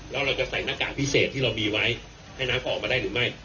แล้วเราจะใส่หน้ากากพิเศษที่เรามีไว้ให้น้ำเขาออกมาได้หรือไม่